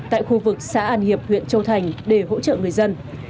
tại khu vực xã an hiệp huyện châu thành để hỗ trợ người dân